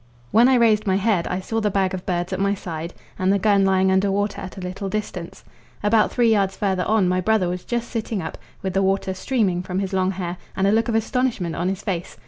When I raised my head I saw the bag of birds at my side, and the gun lying under water at a little distance; about three yards further on my brother was just sitting up, with the water streaming from his long hair, and a look of astonishment on his face.